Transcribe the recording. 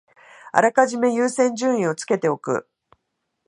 あらかじめ優先順位をつけておく